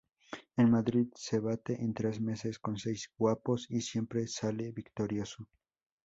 En Madrid se bate en tres meses con seis guapos y siempre sale victorioso.